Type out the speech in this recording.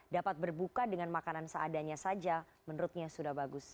dapat berbuka dengan makanan seadanya saja menurutnya sudah bagus